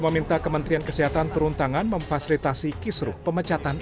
meminta kementerian kesehatan turun tangan memfasilitasi kisruh pemecatan